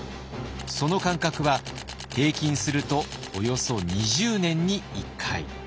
その間隔は平均するとおよそ２０年に１回。